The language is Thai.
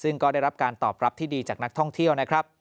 ซึ่งก็ได้รับการตอบรับที่ดีจากนักท่องเที่ยวนะครับ